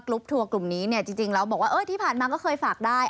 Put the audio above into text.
ทัวร์กลุ่มนี้เนี่ยจริงแล้วบอกว่าที่ผ่านมาก็เคยฝากได้